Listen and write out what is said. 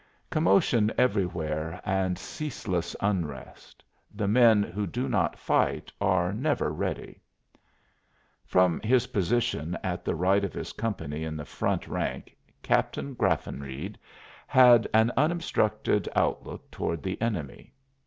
Commotion everywhere and ceaseless unrest. The men who do not fight are never ready. From his position at the right of his company in the front rank, Captain Graffenreid had an unobstructed outlook toward the enemy.